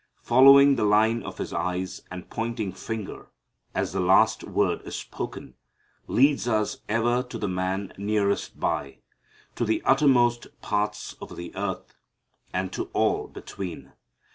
Following the line of His eyes and pointing finger, as the last word is spoken, leads us ever to the man nearest by, to the uttermost parts of the earth, and to all between.